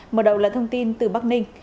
mở đầu là thông tin từ bắc ninh